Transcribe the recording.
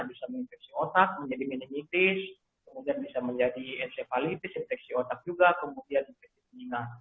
bisa menginfeksi otak menjadi meningitis kemudian bisa menjadi encefalipis infeksi otak juga kemudian infeksi minyak